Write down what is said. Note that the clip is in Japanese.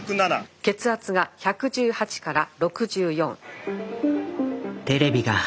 血圧が１１８から６４。